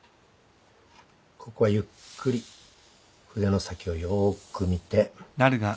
ここはゆっくり筆の先をよーく見て。